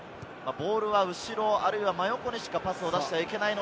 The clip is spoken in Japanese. ボールは後ろ、あるいは真横にしかパスを出してはいけません。